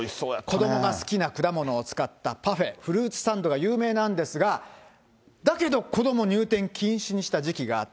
子どもが好きなフルーツを使ったパフェ、フルーツサンドが有名なんですが、だけど子ども入店禁止にした時期があった。